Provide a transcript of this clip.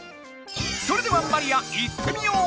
それではマリアいってみよう！